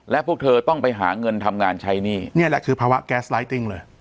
และพวกเธอต้องไปหาเงินทำงานใช้หนี้นี่แหละคือภาวะแก๊สไลติ้งเลย